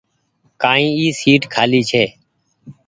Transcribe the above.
ڪآئي اي سيٽ کآلي ڇي۔